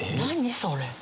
それ。